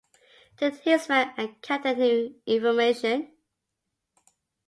Did Hinzman encounter new information?